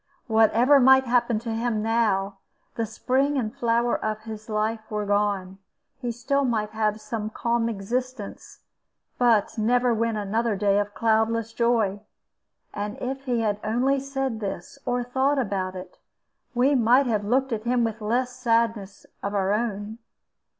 Whatever might happen to him now, the spring and the flower of his life were gone; he still might have some calm existence, but never win another day of cloudless joy. And if he had only said this, or thought about it, we might have looked at him with less sadness of our own.